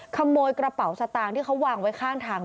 ขโมยกระเป๋าสตางค์ที่เขาวางไว้ข้างทาง